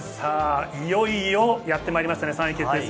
いよいよやってまいりました、３位決定戦。